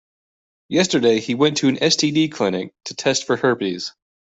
Yesterday, he went to an STD clinic to test for herpes.